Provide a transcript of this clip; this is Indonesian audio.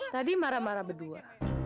tadi marah marah berdua